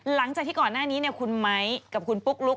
หลังจากที่ก่อนหน้านี้คุณไม้กับคุณปุ๊กลุ๊ก